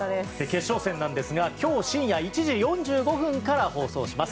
決勝戦なんですが今日深夜１時４５分から放送します。